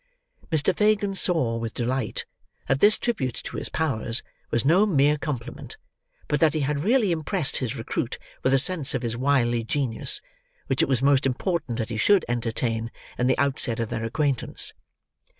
Mr. Fagin saw, with delight, that this tribute to his powers was no mere compliment, but that he had really impressed his recruit with a sense of his wily genius, which it was most important that he should entertain in the outset of their acquaintance.